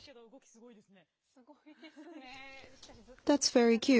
すごいですね。